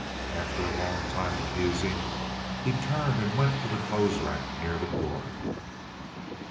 After a long time of musing he turned and went to the clothes rack near the door.